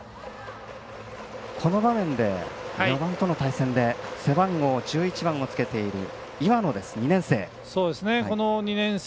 この場面で、４番との対戦で背番号１１番をつけている岩野、２年生。